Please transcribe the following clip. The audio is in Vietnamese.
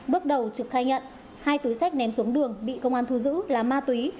bước đầu trực khai nhận hai túi sách ném xuống đường bị công an thu giữ là ma túy